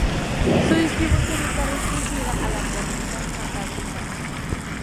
Su distribución está restringida a la Cornisa Cantábrica.